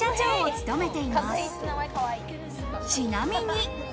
ちなみに。